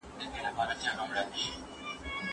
د سختې ورځې یار پیدا کړئ.